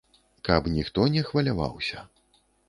Каб ніхто не хваляваўся.